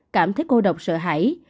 cảm thấy cô độc sợ hãi